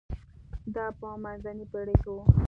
دا په منځنۍ پېړۍ کې و.